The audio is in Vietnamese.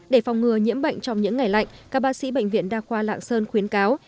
để phòng ngừa nhiễm bệnh trong những ngày lạnh các bác sĩ bệnh viện đa khoa lạng sơn khuyến cáo